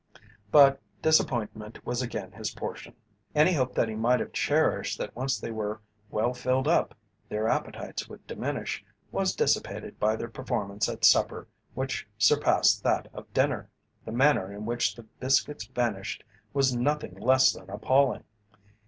But disappointment was again his portion. Any hope that he might have cherished that once they were well filled up their appetites would diminish was dissipated by their performance at supper which surpassed that of dinner. The manner in which the biscuits vanished was nothing less than appalling.